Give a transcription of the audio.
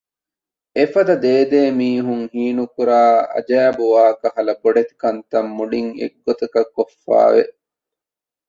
އެފަދަ ދޭދޭ މީހުން ހީނުކުރާ އަޖައިބު ވާކަހަލަ ބޮޑެތި ކަންތައް މުޅިން އެއްގޮތަކަށް ކޮށްފައިވެ